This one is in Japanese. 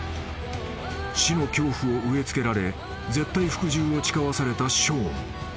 ［死の恐怖を植え付けられ絶対服従を誓わされたショーン］